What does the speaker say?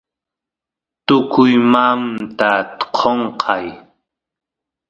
tukuymamnta qonqay